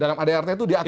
dalam adrt itu diatur